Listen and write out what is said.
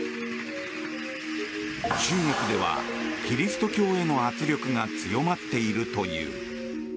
中国ではキリスト教への圧力が強まっているという。